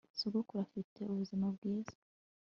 sogokuru afite ubuzima bwiza